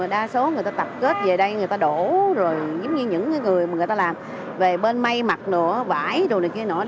đa số người ta tập kết về đây người ta đổ rồi giống như những người mà người ta làm về bên may mặt nụ vải đồ này kia nọ